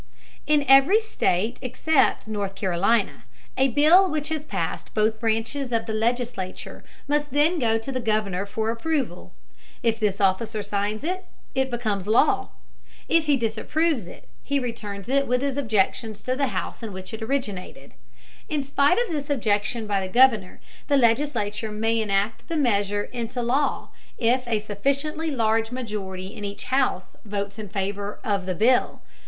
In every state except North Carolina, a bill which has passed both branches of the legislature must then go to the Governor for approval. If this officer signs it, it becomes law. If he disapproves of it, he returns it with his objections to the house in which it originated. In spite of this objection by the Governor the legislature may enact the measure into law, if a sufficiently large majority in each house votes in favor of the bill.